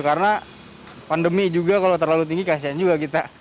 karena pandemi juga kalau terlalu tinggi kasian juga kita